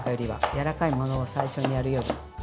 柔らかいものを最初にやるより。